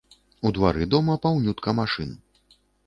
У двары дома паўнютка машын.